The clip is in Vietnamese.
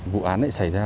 vụ án lại xảy ra